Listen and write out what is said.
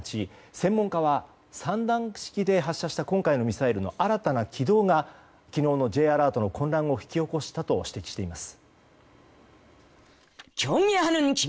専門家は３段式で発射した今回のミサイルの新たな軌道が昨日のＪアラートの混乱を引き起こしたと指摘しています。